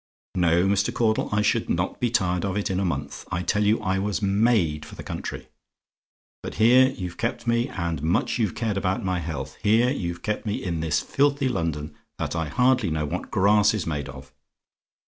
"No, Mr. Caudle, I should not be tired of it in a month. I tell you I was made for the country. But here you've kept me and much you've cared about my health here you've kept me in this filthy London, that I hardly know what grass is made of.